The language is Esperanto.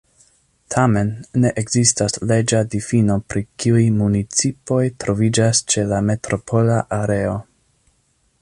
Tamen, ne ekzistas leĝa difino pri kiuj municipoj troviĝas ĉe la metropola areo.